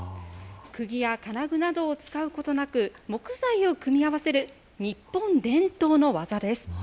くぎや金具などを使うことなく、木材を組み合わせる日本伝統の技です。